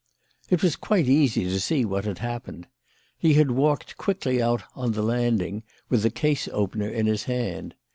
"It was quite easy to see what had happened. He had walked quickly out on the landing with the case opener in his hand.